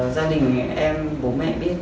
gia đình em bố mẹ biết